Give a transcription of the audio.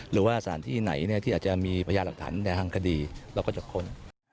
หรือว่าสถานที่ไหนที่อาจจะมีพยานหลักฐานในทางคดีเราก็จะค้น